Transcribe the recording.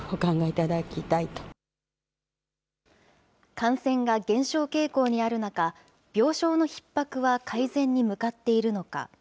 感染が減少傾向にある中、病床のひっ迫は改善に向かっているのか。